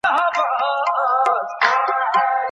ولې کورني شرکتونه کرنیز ماشین الات له ایران څخه واردوي؟